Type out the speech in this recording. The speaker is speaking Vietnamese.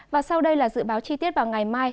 và sau đây là dự báo chi tiết vào ngày mai